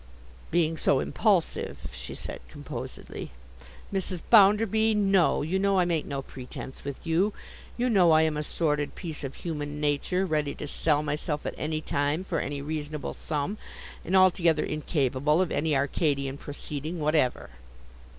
'Being so impulsive,' she said composedly. 'Mrs. Bounderby, no: you know I make no pretence with you. You know I am a sordid piece of human nature, ready to sell myself at any time for any reasonable sum, and altogether incapable of any Arcadian proceeding whatever.